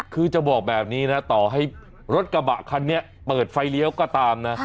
คือจะบอกแบบนี้นะต่อให้รถกระบะคันนี้เปิดไฟเลี้ยวก็ตามนะ